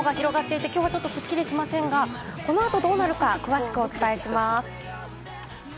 雲が広がっていて、今日はすっきりしませんが、この後どうなるか詳しくお伝えします。